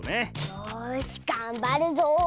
よしがんばるぞ！